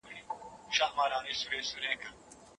سختۍ به تېرې شي خو د پیاوړو خلکو همت به تل پاتې وي.